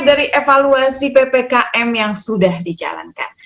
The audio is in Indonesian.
dari evaluasi ppkm yang sudah dijalankan